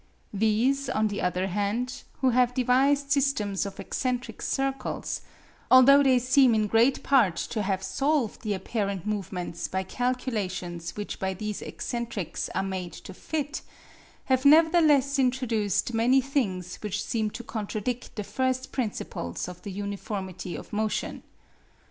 These, on the other hand, who have devised systems of eccentric circles, although they seem in great part to have solved the apparent movements by calculations which by these eccentrics are made to fit, have nevertheless introduced many things which seem to contradict the first principles of the uniformity of motion.